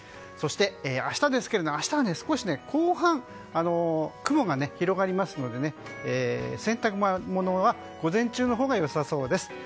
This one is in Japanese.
そして明日ですけれども明日は少し雲が広がりますので洗濯物は午前中のほうがよさそうです。